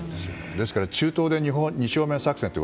ですから、中東で二正面作戦って。